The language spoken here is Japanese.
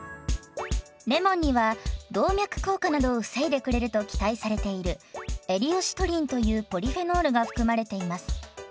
レモンには動脈硬化などを防いでくれると期待されているエリオシトリンというポリフェノールが含まれています。